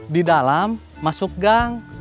di dalam masuk gang